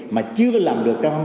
mà chưa làm được trong năm hai